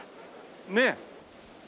ねえ？